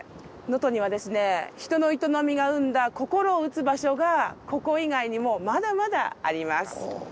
能登にはですね人の営みが生んだ心を打つ場所がここ以外にもまだまだあります。